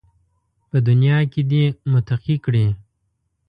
په دنیا کې دې متقي کړي